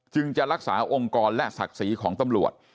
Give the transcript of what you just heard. จะรักษาองค์กรและศักดิ์ศรีของตำรวจ